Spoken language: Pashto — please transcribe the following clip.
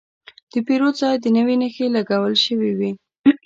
د پیرود ځای ته نوې نښې لګول شوې وې.